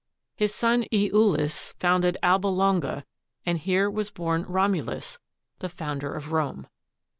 His son lulus founded Alba Longa, and here was born Romulus, the founder of Rome.